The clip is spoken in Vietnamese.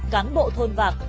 cán bộ thôn vạc